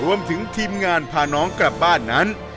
รวมถึงทีมงานพาน้องกลับบ้านนั้น